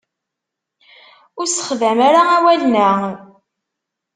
Ur sexdam ara awalen-a.